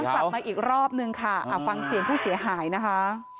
กลับมาอีกรอบนึงค่ะฟังเสียงผู้เสียหายนะคะ